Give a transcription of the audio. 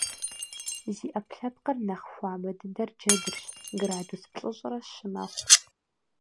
Зи Ӏэпкълъэпкъыр нэхъ хуабэ дыдэр джэдырщ - градус плӏыщӏрэ щы мэхъу.